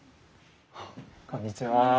こんにちは。